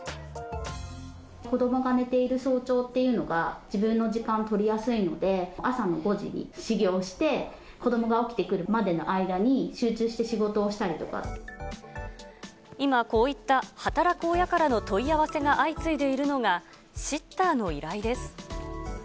子どもが寝ている早朝っていうのが、自分の時間が取りやすいので、朝の５時始業して、子どもが起きてくるまでの間に、集中して仕事今、こういった働く親からの問い合わせが相次いでいるのが、シッターの依頼です。